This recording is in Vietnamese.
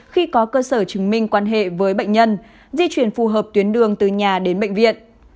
khi có cơ sở chứng minh quan hệ với bệnh nhân di chuyển phù hợp tuyến đường từ nhà đến bệnh viện